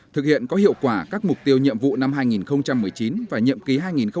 thực hiện có hiệu quả các mục tiêu nhiệm vụ năm hai nghìn một mươi chín và nhiệm ký hai nghìn một mươi năm hai nghìn hai mươi